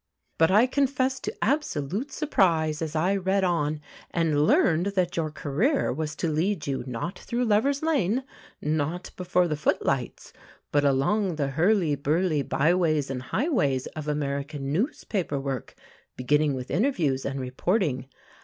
But I confess to absolute surprise, as I read on, and learned that your career was to lead you, not through Lovers' Lane, not before the footlights, but along the hurly burly byways and highways of American newspaper work, beginning with interviews and reporting.